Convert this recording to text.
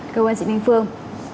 cảm ơn chị ninh phương